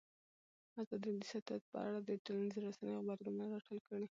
ازادي راډیو د سیاست په اړه د ټولنیزو رسنیو غبرګونونه راټول کړي.